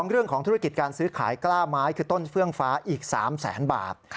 เรื่องของธุรกิจการซื้อขายกล้าไม้คือต้นเฟื่องฟ้าอีก๓แสนบาท